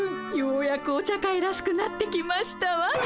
ようやくお茶会らしくなってきましたわ。